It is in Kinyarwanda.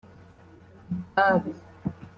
itabi